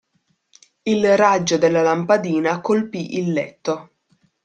Il raggio della lampadina colpì il letto.